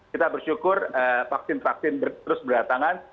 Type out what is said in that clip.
kita bersyukur vaksin vaksin terus berdatangan